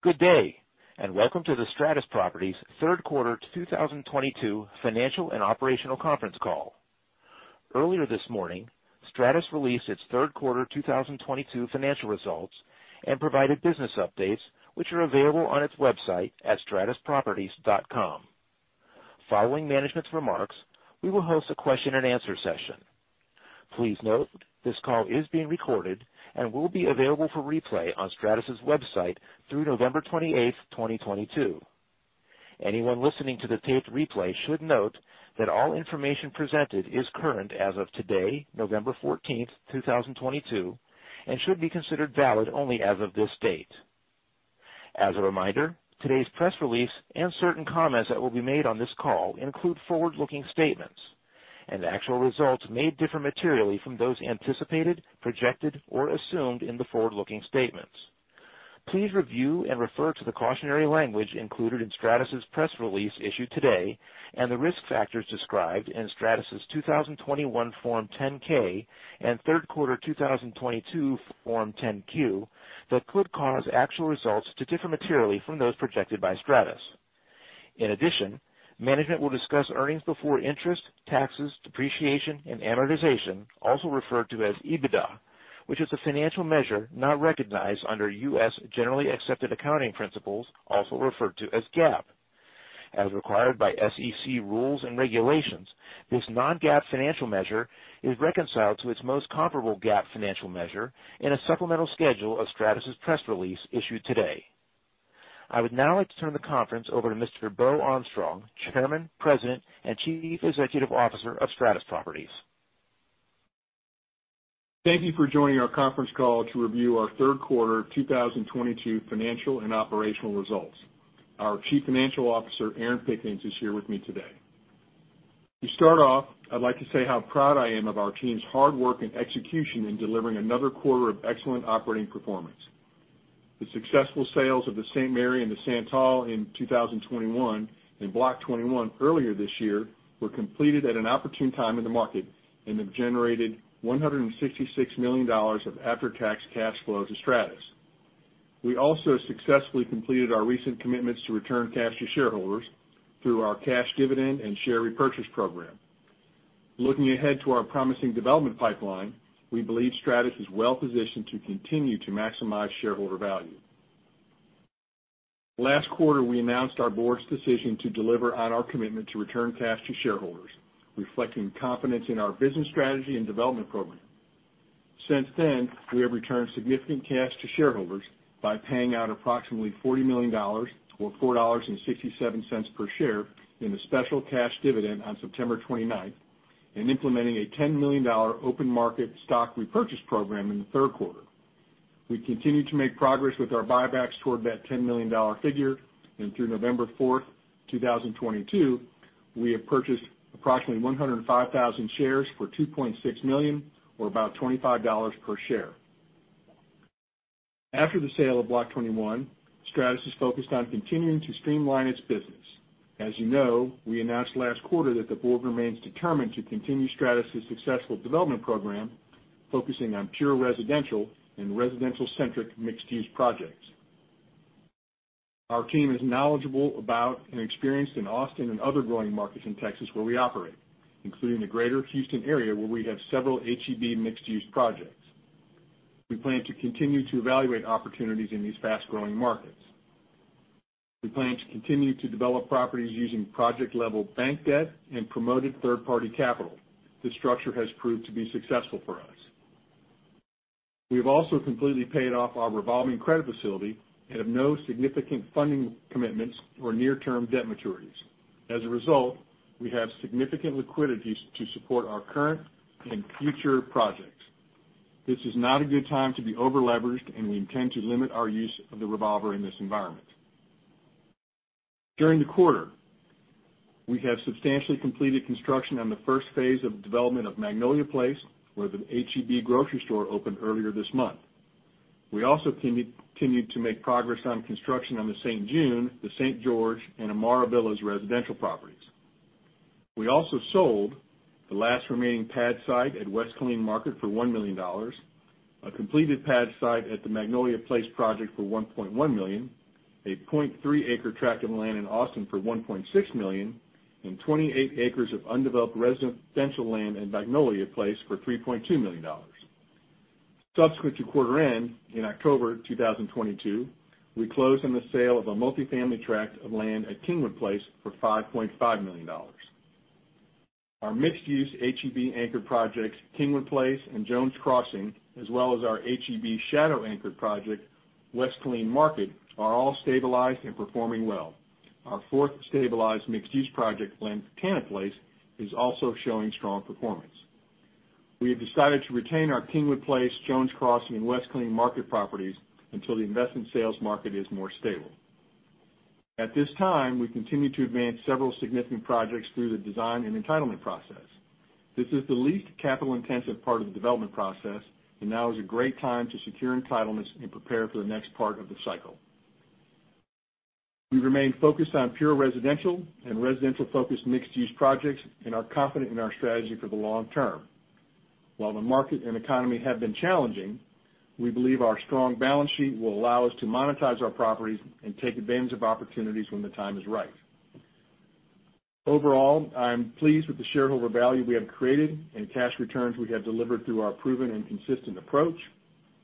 Good day, and welcome to the Stratus Properties Q3 2022 financial and operational conference call. Earlier this morning, Stratus released its Q3 2022 financial results and provided business updates which are available on its website at stratusproperties.com. Following management's remarks, we will host a question-and-answer session. Please note this call is being recorded and will be available for replay on Stratus's website through November 28, 2022. Anyone listening to the taped replay should note that all information presented is current as of today, November 14, 2022, and should be considered valid only as of this date. As a reminder, today's press release and certain comments that will be made on this call include forward-looking statements, and actual results may differ materially from those anticipated, projected, or assumed in the forward-looking statements. Please review and refer to the cautionary language included in Stratus's press release issued today and the risk factors described in Stratus's 2021 Form 10-K and Q3 2022 Form 10-Q that could cause actual results to differ materially from those projected by Stratus. In addition, management will discuss earnings before interest, taxes, depreciation, and amortization, also referred to as EBITDA, which is a financial measure not recognized under U.S. generally accepted accounting principles, also referred to as GAAP. As required by SEC rules and regulations, this non-GAAP financial measure is reconciled to its most comparable GAAP financial measure in a supplemental schedule of Stratus's press release issued today. I would now like to turn the conference over to Mr. Beau Armstrong, Chairman, President, and Chief Executive Officer of Stratus Properties. Thank you for joining our conference call to review our Q3 2022 financial and operational results. Our Chief Financial Officer, Erin Pickens, is here with me today. To start off, I'd like to say how proud I am of our team's hard work and execution in delivering another quarter of excellent operating performance. The successful sales of The Saint Mary and The Santal in 2021 and Block 21 earlier this year were completed at an opportune time in the market and have generated $166 million of after-tax cash flow to Stratus. We also successfully completed our recent commitments to return cash to shareholders through our cash dividend and share repurchase program. Looking ahead to our promising development pipeline, we believe Stratus is well-positioned to continue to maximize shareholder value. Last quarter, we announced our board's decision to deliver on our commitment to return cash to shareholders, reflecting confidence in our business strategy and development program. Since then, we have returned significant cash to shareholders by paying out approximately $40 million or $4.67 per share in a special cash dividend on September 29 and implementing a $10 million open market stock repurchase program in the Q3. We continue to make progress with our buybacks toward that $10 million figure, and through November 4, 2022, we have purchased approximately 105,000 shares for $2.6 million or about $25 per share. After the sale of Block 21, Stratus is focused on continuing to streamline its business. As you know, we announced last quarter that the board remains determined to continue Stratus's successful development program, focusing on pure residential and residential-centric mixed-use projects. Our team is knowledgeable about and experienced in Austin and other growing markets in Texas where we operate, including the Greater Houston area, where we have several H-E-B mixed-use projects. We plan to continue to evaluate opportunities in these fast-growing markets. We plan to continue to develop properties using project-level bank debt and promoted third-party capital. This structure has proved to be successful for us. We have also completely paid off our revolving credit facility and have no significant funding commitments or near-term debt maturities. As a result, we have significant liquidity to support our current and future projects. This is not a good time to be over-leveraged, and we intend to limit our use of the revolver in this environment. During the quarter, we have substantially completed construction on the first phase of development of Magnolia Place, where the H-E-B grocery store opened earlier this month. We also continued to make progress on construction on The Saint June, The Saint George, and Amarra Villas' residential properties. We also sold the last remaining pad site at West Killeen Market for $1 million, a completed pad site at the Magnolia Place project for $1.1 million, a 0.3-acre tract of land in Austin for $1.6 million, and 28 acres of undeveloped residential land in Magnolia Place for $3.2 million. Subsequent to quarter end, in October 2022, we closed on the sale of a multifamily tract of land at Kingwood Place for $5.5 million. Our mixed-use H-E-B-anchored projects, Kingwood Place and Jones Crossing, as well as our H-E-B shadow-anchored project, West Killeen Market, are all stabilized and performing well. Our fourth stabilized mixed-use project, Lantana Place, is also showing strong performance. We have decided to retain our Kingwood Place, Jones Crossing, and West Killeen Market properties until the investment sales market is more stable. At this time, we continue to advance several significant projects through the design and entitlement process. This is the least capital-intensive part of the development process, and now is a great time to secure entitlements and prepare for the next part of the cycle. We remain focused on pure residential and residential-focused mixed-use projects and are confident in our strategy for the long term. While the market and economy have been challenging, we believe our strong balance sheet will allow us to monetize our properties and take advantage of opportunities when the time is right. Overall, I am pleased with the shareholder value we have created and cash returns we have delivered through our proven and consistent approach.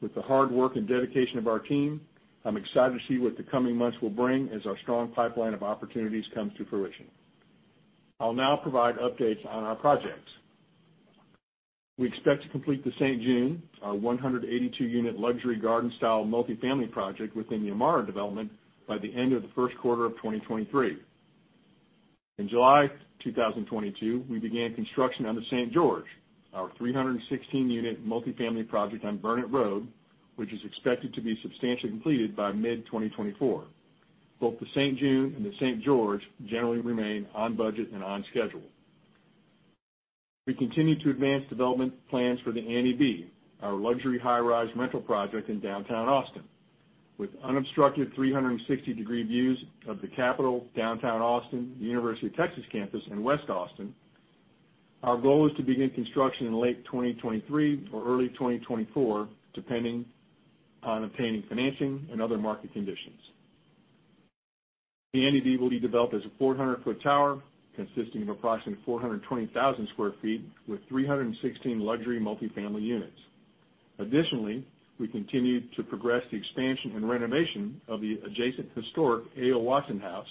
With the hard work and dedication of our team, I'm excited to see what the coming months will bring as our strong pipeline of opportunities comes to fruition. I'll now provide updates on our projects. We expect to complete The Saint June, our 182-unit luxury garden-style multifamily project within the Amarra development by the end of the Q1 of 2023. In July 2022, we began construction on the St. George, our 316-unit multifamily project on Burnet Road, which is expected to be substantially completed by mid-2024. Both The Saint June and The Saint George generally remain on budget and on schedule. We continue to advance development plans for The Annie B., our luxury high-rise rental project in downtown Austin, with unobstructed 360-degree views of the Capitol, downtown Austin, the University of Texas campus, and West Austin. Our goal is to begin construction in late 2023 or early 2024, depending on obtaining financing and other market conditions. The Annie B. will be developed as a 400-foot tower consisting of approximately 420,000 sq ft with 316 luxury multifamily units. Additionally, we continue to progress the expansion and renovation of the adjacent historic A.O. Watson House,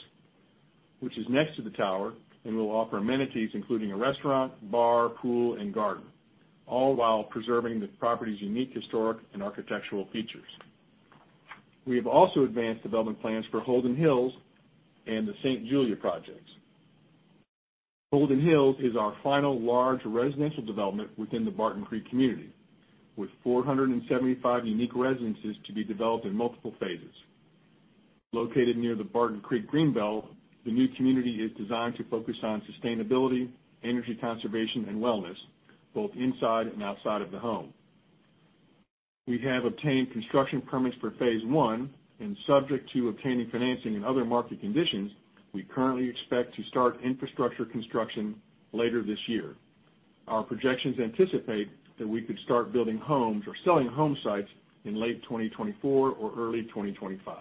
which is next to the tower and will offer amenities including a restaurant, bar, pool, and garden, all while preserving the property's unique historic and architectural features. We have also advanced development plans for Holden Hills and The Saint Julia projects. Holden Hills is our final large residential development within the Barton Creek community, with 475 unique residences to be developed in multiple phases. Located near the Barton Creek Greenbelt, the new community is designed to focus on sustainability, energy conservation, and wellness, both inside and outside of the home. We have obtained construction permits for phase one, and subject to obtaining financing and other market conditions, we currently expect to start infrastructure construction later this year. Our projections anticipate that we could start building homes or selling home sites in late 2024 or early 2025.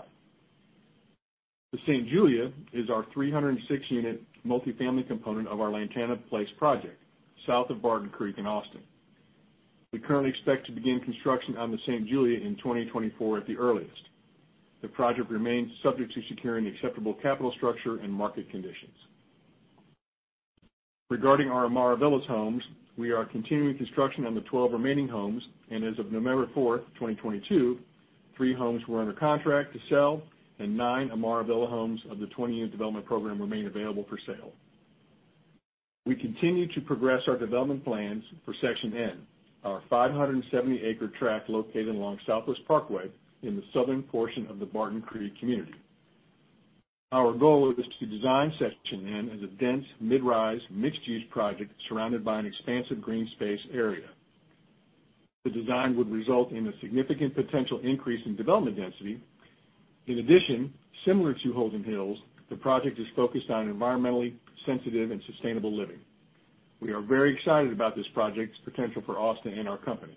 The Saint. Julia is our 306-unit multifamily component of our Lantana Place project, south of Barton Creek in Austin. We currently expect to begin construction on the Saint Julia in 2024 at the earliest. The project remains subject to securing acceptable capital structure and market conditions. Regarding our Amarra Villas homes, we are continuing construction on the 12 remaining homes. As of November 4, 2022, 3 homes were under contract to sell and 9 Amarra Villas homes of the 20-unit development program remain available for sale. We continue to progress our development plans for Section N, our 570-acre tract located along Southwest Parkway in the southern portion of the Barton Creek community. Our goal is to design Section N as a dense, mid-rise, mixed-use project surrounded by an expansive green space area. The design would result in a significant potential increase in development density. In addition, similar to Holden Hills, the project is focused on environmentally sensitive and sustainable living. We are very excited about this project's potential for Austin and our company.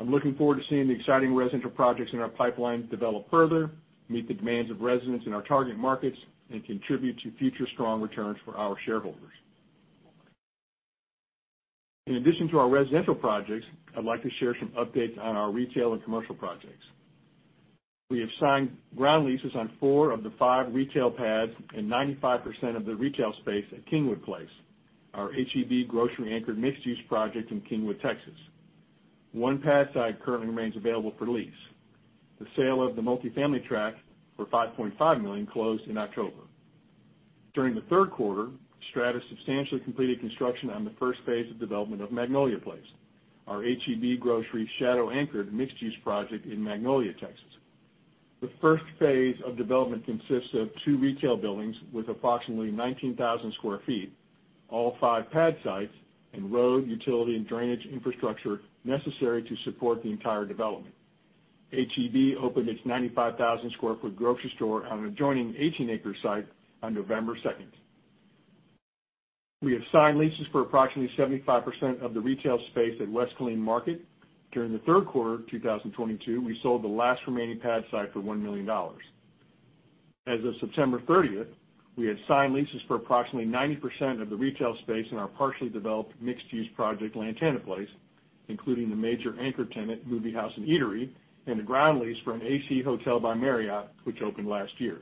I'm looking forward to seeing the exciting residential projects in our pipeline develop further, meet the demands of residents in our target markets, and contribute to future strong returns for our shareholders. In addition to our residential projects, I'd like to share some updates on our retail and commercial projects. We have signed ground leases on four of the five retail pads and 95% of the retail space at Kingwood Place, our H-E-B grocery-anchored mixed-use project in Kingwood, Texas. One pad site currently remains available for lease. The sale of the multifamily tract for $5.5 million closed in October. During the Q3, Stratus substantially completed construction on the first phase of development of Magnolia Place, our H-E-B grocery shadow-anchored mixed-use project in Magnolia, Texas. The first phase of development consists of 2 retail buildings with approximately 19,000 sq ft, all 5 pad sites and road, utility, and drainage infrastructure necessary to support the entire development. H-E-B opened its 95,000 sq ft grocery store on an adjoining 18-acre site on November second. We have signed leases for approximately 75% of the retail space at West Killeen Market. During the Q3 of 2022, we sold the last remaining pad site for $1 million. As of September thirtieth, we had signed leases for approximately 90% of the retail space in our partially developed mixed-use project, Lantana Place, including the major anchor tenant, Moviehouse & Eatery, and a ground lease for an AC Hotel by Marriott, which opened last year.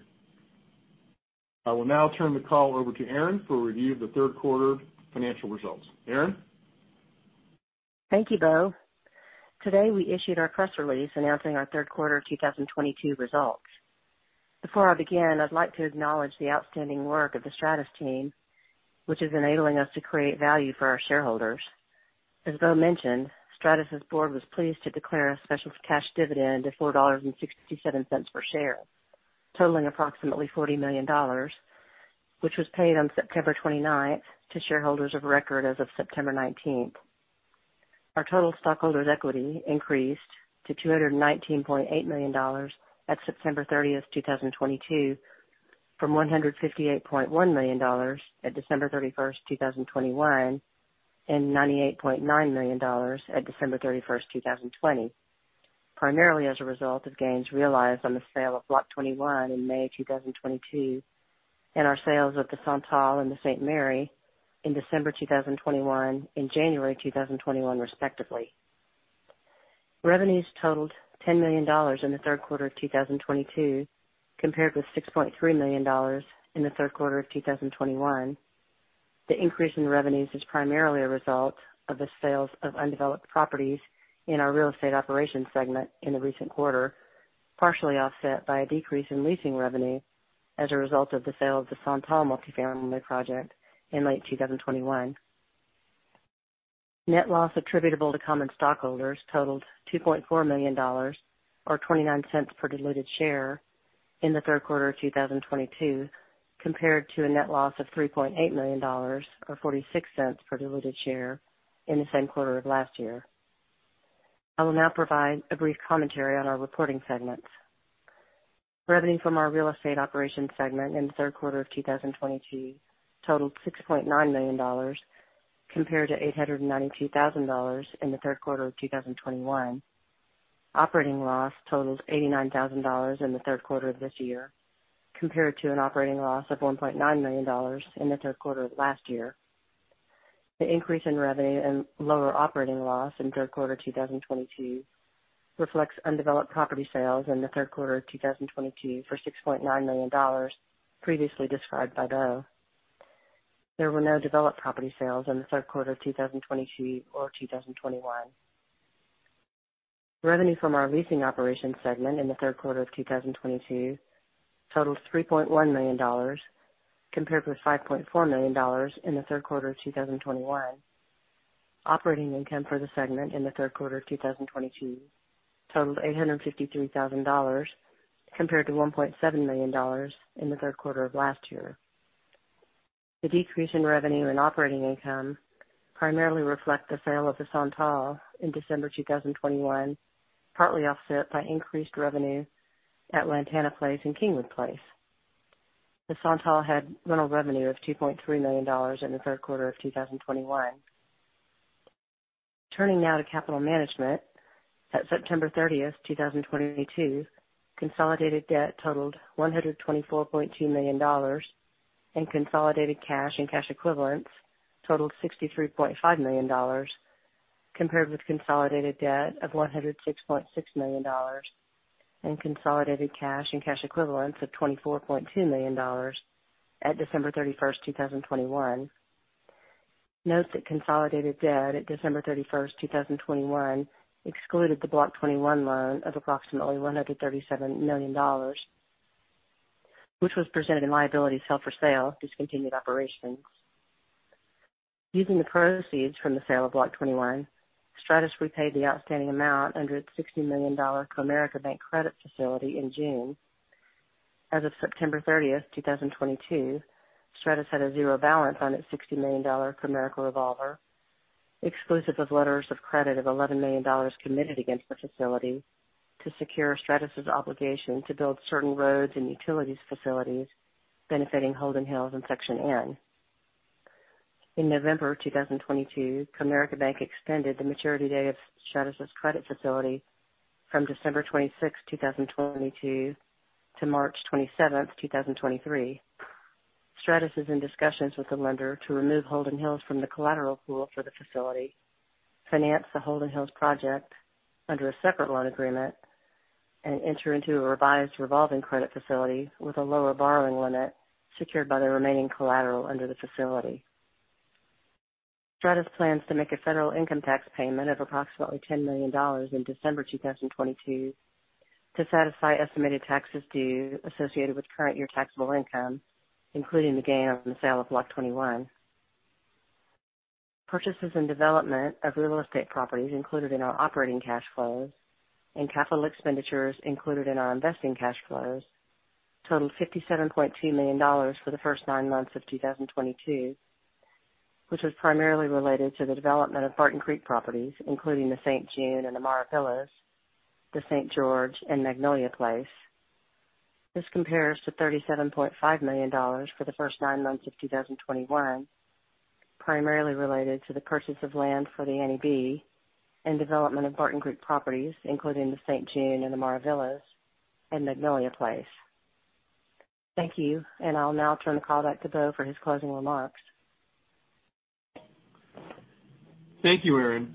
I will now turn the call over to Erin for a review of the Q3 financial results. Erin? Thank you, Beau. Today, we issued our press release announcing our Q3 2022 results. Before I begin, I'd like to acknowledge the outstanding work of the Stratus team, which is enabling us to create value for our shareholders. As Beau mentioned, Stratus' board was pleased to declare a special cash dividend of $4.67 per share, totaling approximately $40 million, which was paid on September 29 to shareholders of record as of September 19. Our total stockholders' equity increased to $219.8 million at September 30, 2022, from $158.1 million at December 31, 2021, and $98.9 million at December 31, 2020, primarily as a result of gains realized on the sale of Block 21 in May 2022 and our sales of the Santal and the Saint Mary in December 2021, in January 2021, respectively. Revenues totaled $10 million in the Q3 of 2022, compared with $6.3 million in the Q3 of 2021. The increase in revenues is primarily a result of the sales of undeveloped properties in our real estate operations segment in the recent quarter, partially offset by a decrease in leasing revenue as a result of the sale of The Santal multifamily project in late 2021. Net loss attributable to common stockholders totaled $2.4 million, or $0.29 per diluted share in the Q3 of 2022, compared to a net loss of $3.8 million, or $0.46 per diluted share in the same quarter of last year. I will now provide a brief commentary on our reporting segments. Revenue from our real estate operations segment in the Q3 of 2022 totaled $6.9 million, compared to $892,000 in the Q3 of 2021. Operating loss totaled $89,000 in the Q3 of this year, compared to an operating loss of $1.9 million in the Q3 of last year. The increase in revenue and lower operating loss in Q3 2022 reflects undeveloped property sales in the Q3 of 2022 for $6.9 million previously described by Beau. There were no developed property sales in the Q3 of 2022 or 2021. Revenue from our leasing operations segment in the Q3 of 2022 totaled $3.1 million, compared with $5.4 million in the Q3 of 2021. Operating income for the segment in the Q3 of 2022 totaled $853,000, compared to $1.7 million in the Q3 of last year. The decrease in revenue and operating income primarily reflect the sale of The Santal in December 2021, partly offset by increased revenue at Lantana Place and Kingwood Place. The Santal had rental revenue of $2.3 million in the Q3 of 2021. Turning now to capital management. At September 30, 2022, consolidated debt totaled $124.2 million, and consolidated cash and cash equivalents totaled $63.5 million, compared with consolidated debt of $106.6 million and consolidated cash and cash equivalents of $24.2 million at December 31, 2021. Note that consolidated debt at December 31, 2021 excluded the Block 21 loan of approximately $137 million, which was presented in liabilities held for sale discontinued operations. Using the proceeds from the sale of Block 21, Stratus repaid the outstanding amount under its $60 million Comerica Bank credit facility in June. As of September 30, 2022, Stratus had a 0 balance on its $60 million Comerica revolver, exclusive of letters of credit of $11 million committed against the facility to secure Stratus' obligation to build certain roads and utilities facilities benefiting Holden Hills in Section N. In November 2022, Comerica Bank extended the maturity date of Stratus' credit facility from December 26, 2022 to March 27, 2023. Stratus is in discussions with the lender to remove Holden Hills from the collateral pool for the facility, finance the Holden Hills project under a separate loan agreement, and enter into a revised revolving credit facility with a lower borrowing limit secured by the remaining collateral under the facility. Stratus plans to make a federal income tax payment of approximately $10 million in December 2022 to satisfy estimated taxes due associated with current year taxable income, including the gain on the sale of Block 21. Purchases and development of real estate properties included in our operating cash flows and capital expenditures included in our investing cash flows totaled $57.2 million for the first nine months of 2022, which was primarily related to the development of Barton Creek properties, including the Saint June and the Amarra Villas, the Saint George, and Magnolia Place. This compares to $37.5 million for the first nine months of 2021, primarily related to the purchase of land for the Annie B and development of Barton Creek properties, including the Saint June and the Amarra Villas and Magnolia Place. Thank you, and I'll now turn the call back to Beau for his closing remarks. Thank you, Erin.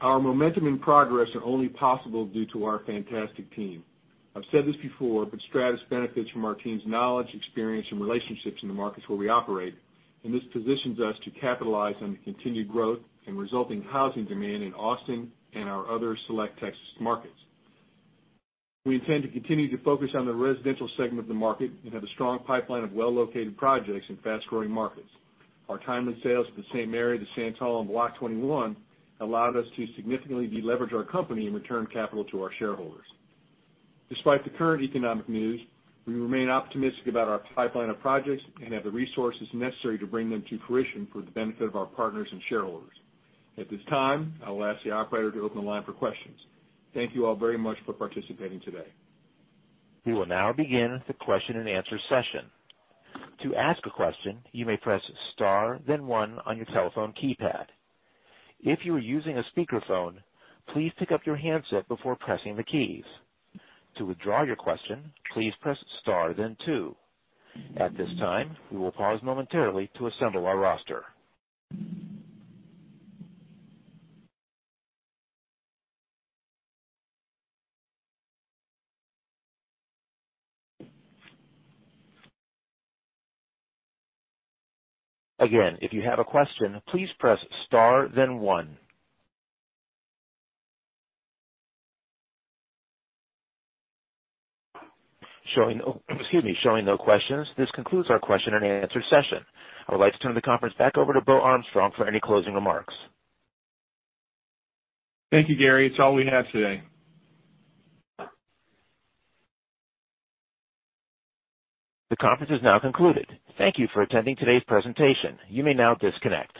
Our momentum and progress are only possible due to our fantastic team. I've said this before, but Stratus benefits from our team's knowledge, experience, and relationships in the markets where we operate, and this positions us to capitalize on the continued growth and resulting housing demand in Austin and our other select Texas markets. We intend to continue to focus on the residential segment of the market and have a strong pipeline of well-located projects in fast-growing markets. Our timely sales at The Saint Mary, The Santal, and Block 21 allowed us to significantly de-leverage our company and return capital to our shareholders. Despite the current economic news, we remain optimistic about our pipeline of projects and have the resources necessary to bring them to fruition for the benefit of our partners and shareholders. At this time, I'll ask the operator to open the line for questions. Thank you all very much for participating today. We will now begin the question and answer session. To ask a question, you may press star then one on your telephone keypad. If you are using a speakerphone, please pick up your handset before pressing the keys. To withdraw your question, please press star then two. At this time, we will pause momentarily to assemble our roster. Again, if you have a question, please press star then one. Showing no questions, this concludes our question and answer session. I would like to turn the conference back over to Beau Armstrong for any closing remarks. Thank you, Gary. It's all we have today. The conference is now concluded. Thank you for attending today's presentation. You may now disconnect.